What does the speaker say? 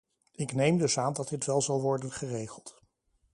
Ik neem dus aan dat dit wel zal worden geregeld.